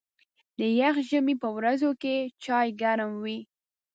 د یخ ژمي په ورځو کې چای ګرم وي.